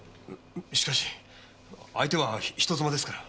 しかし相手は人妻ですから。